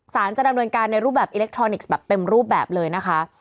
จะดำเนินการในรูปแบบอิเล็กทรอนิกส์แบบเต็มรูปแบบเลยนะคะ